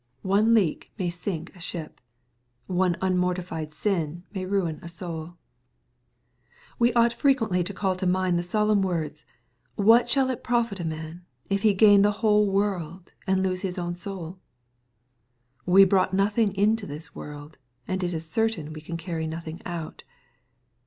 One leak may sink a ship. One unmortified sin may min a^sOul. We ought frequently to call to mind the solemn words, f ' What shall it profit a man if he gain the whole world, and lose his own soul ?"" We brought nothing into this world, and it is certain we can carry nothing out."